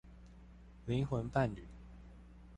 靈魂伴侶